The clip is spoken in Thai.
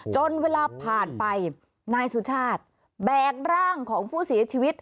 จนเวลาผ่านไปนายสุชาติแบกร่างของผู้เสียชีวิต